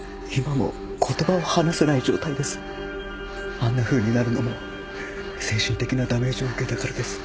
あんなふうになるのも精神的なダメージを受けたからです。